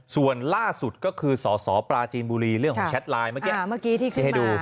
ส่วนล่าสุดก็คือสสปราจีนบุรีเรื่องของแชทไลน์เมื่อกี้ที่ให้ดู